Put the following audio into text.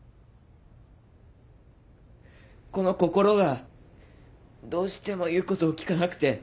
この心がどうしてもいうことを聞かなくて。